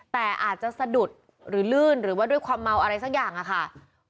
แต่อาจจะสะดุดหรือลื่นหรือว่าด้วยความเมาอะไรสักอย่างค่ะ